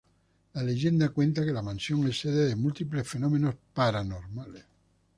La leyenda cuenta que la mansión es sede de múltiples fenómenos paranormales.